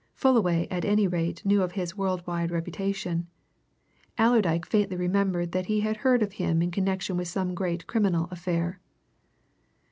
Fullaway at any rate knew of his world wide reputation; Allerdyke faintly remembered that he had heard of him in connection with some great criminal affair.